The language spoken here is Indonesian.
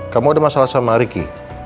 kamu ada masalah sama ricky